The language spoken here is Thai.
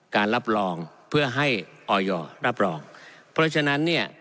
รับรองเพื่อให้ออยรับรองเพราะฉะนั้นเนี่ย